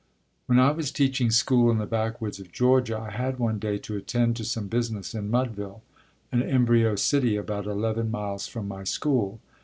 When I was teaching school in the backwoods of Georgia I had, one day, to attend to some business in Mudville, an embryo city about eleven miles from my school.